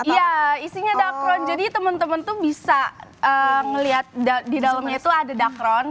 iya isinya dakron jadi temen temen tuh bisa ngeliat di dalamnya tuh ada dakron